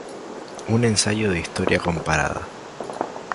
Un ensayo de historia comparada.